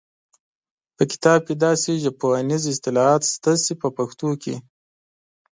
په کتاب کې داسې ژبپوهنیز اصطلاحات شته چې په پښتو کې